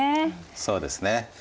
そうですね。